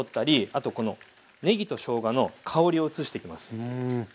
あとこのねぎとしょうがの香りを移していきます。